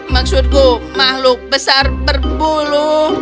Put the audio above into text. maksudku makhluk besar berbulu